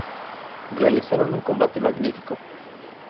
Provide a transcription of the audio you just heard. Realizaron un combate magnífico.